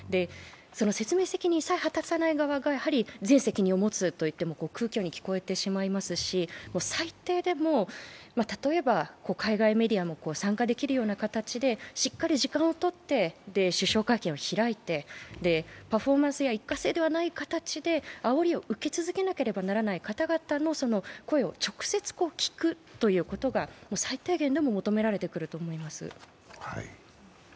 説明責任さえ果たさない側が全責任を持つと言っても空虚に聞こえてしまいますし、最低でも例えば海外メディアも参加できるような形でしっかり時間を取って首相会見を開いて、パフォーマンスや一過性でない形であおりを受け続けなければならない方々の声を直接聞くということが最低限でも求められてくると思います。